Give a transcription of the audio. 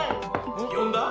よんだ？